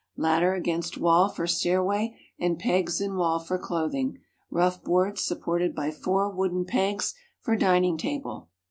Ladder against wall for stairway and pegs in wall for clothing. Rough boards supported by four wooden pegs for dining table.